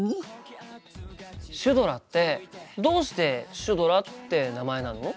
シュドラってどうしてシュドラって名前なの？